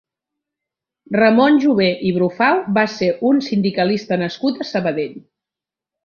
Ramon Jové i Brufau va ser un sindicalista nascut a Sabadell.